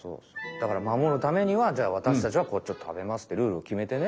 だからまもるためにはじゃあ私たちはこっちを食べますってルールをきめてね。